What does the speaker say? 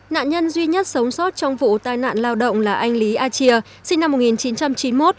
nạn nhân duy nhất sống sót trong vụ tai nạn lao động là anh lý a chia sinh năm một nghìn chín trăm chín mươi một